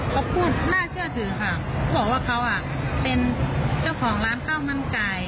เขาพูดน่าเชื่อถือค่ะเขาบอกว่าเขาเป็นเจ้าของร้านข้าวมันไก่